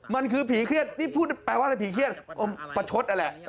มันคือผีเครียดนี่พูดแปลว่าอะไรผีเครียดประชดนั่นแหละ